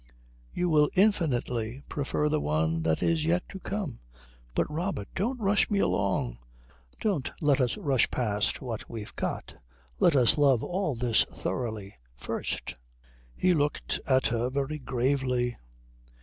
"You will infinitely prefer the one that is yet to come." "But Robert don't rush me along. Don't let us rush past what we've got. Let us love all this thoroughly first " He looked at her very gravely.